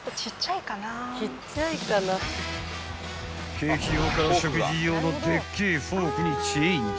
［ケーキ用から食事用のでっけぇフォークにチェンジ］